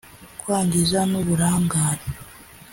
kwangiza n’uburangare